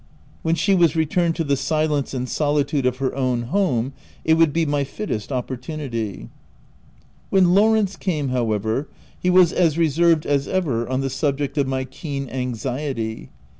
When she was returned to the silence and soli tude of her own home it would be my fittest opportunity. When Lawrence came, however, he was as n 2 268 THE TENANT reserved as ever on the subject of my keen an xiety.